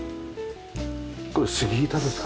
これスギ板ですか？